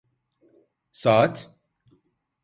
Saat?